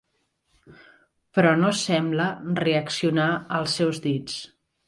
Però no sembla reaccionar als seus dits.